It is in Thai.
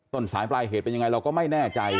ต้นสายปลายเหตุเป็นยังไงเราก็ไม่แน่ใจ